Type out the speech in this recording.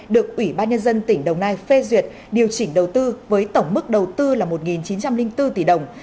được ủy ban nhân dân tỉnh đồng nai phê duyệt điều chỉnh đầu tư với tổng mức đầu tư là một chín trăm linh bốn tỷ đồng